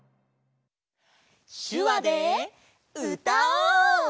しゅわでうたおう！